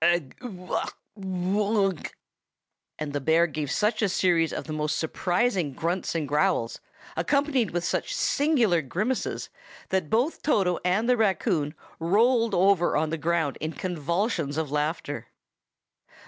Ugh! wah! woonk!" And the bear gave a series of most surprising grunts and growls, accompanied with such singular grimaces that both Toto and the raccoon rolled over on the ground in convulsions of laughter.